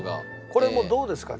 これもうどうですか？